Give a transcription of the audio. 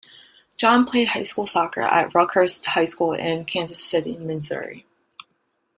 John played high school soccer at Rockhurst High School in Kansas City, Missouri.